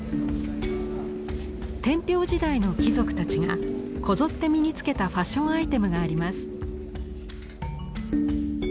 天平時代の貴族たちがこぞって身に着けたファッションアイテムがあります。